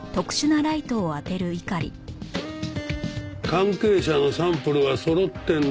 関係者のサンプルはそろってんだろうな？